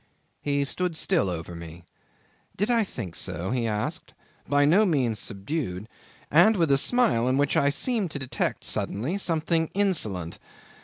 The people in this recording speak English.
He stood still over me. Did I think so? he asked, by no means subdued, and with a smile in which I seemed to detect suddenly something insolent.